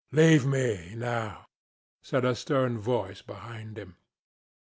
"Leave me now," said a stern voice behind him.